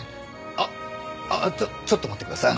ああちょっと待ってください。